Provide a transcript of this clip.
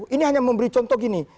ini hanya memberi contoh gini